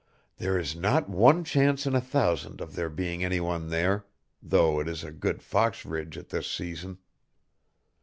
There is not one chance in a thousand of there being any one there, though it is a good fox ridge at this season.